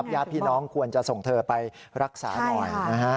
ยาพี่น้องควรจะส่งเธอไปรักษาหน่อย